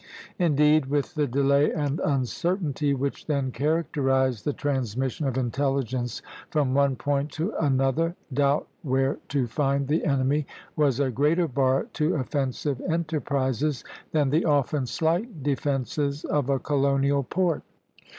Indeed, with the delay and uncertainty which then characterized the transmission of intelligence from one point to another, doubt where to find the enemy was a greater bar to offensive enterprises than the often slight defences of a colonial port.